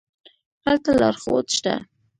هلته لارښود شته.